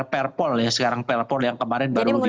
perpol ya sekarang perpol yang kemarin baru jadi mungkin